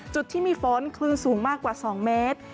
จุดที่มีฝนคลื่นสูงมากกว่า๒เมตร